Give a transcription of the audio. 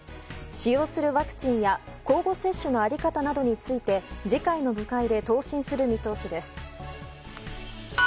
使用するワクチンや交互接種の在り方などについて次回の部会で答申する見通しです。